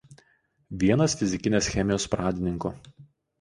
Vienas fizikinės chemijos pradininkų.